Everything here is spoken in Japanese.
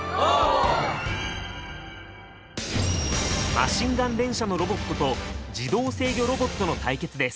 マシンガン連射のロボットと自動制御ロボットの対決です。